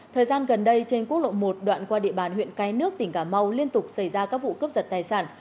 thời gian gần đây trên quốc lộ một đoạn qua địa bàn huyện cái nước tỉnh cà mau liên tục xảy ra các vụ cướp giật tài sản